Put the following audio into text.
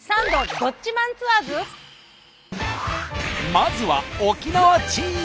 まずは沖縄チーム！